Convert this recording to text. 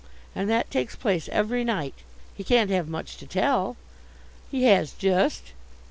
"And that takes place every night? He can't have much to tell." "He has just."